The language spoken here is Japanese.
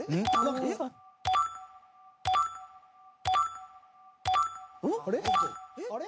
えっ？あれ？